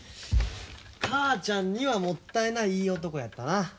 母ちゃんにはもったいないいい男やったな。